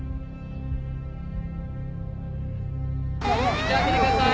道空けてください。